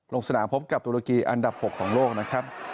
ลงสนามพบกับตุรกีอันดับ๖ของโลกนะครับ